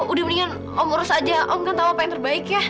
udah mendingan om urus aja om kan tau apa yang terbaik ya